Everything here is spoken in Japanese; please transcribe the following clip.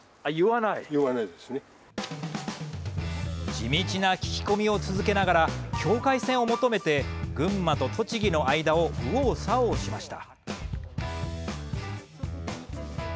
地道な聞き込みを続けながら境界線を求めて群馬と栃木の間を右往左往しました。